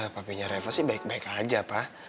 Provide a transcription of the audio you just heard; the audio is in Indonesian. papinya reva sih baik baik aja pak